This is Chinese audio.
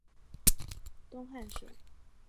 东汉省。